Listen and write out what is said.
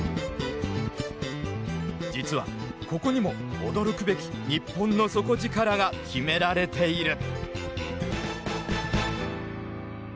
実はここにも驚くべきニッポンの底力が秘められている。